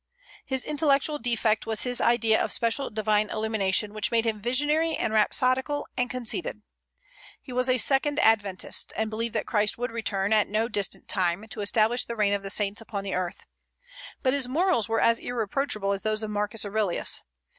His intellectual defect was his idea of special divine illumination, which made him visionary and rhapsodical and conceited. He was a second adventist, and believed that Christ would return, at no distant time, to establish the reign of the saints upon the earth. But his morals were as irreproachable as those of Marcus Aurelius.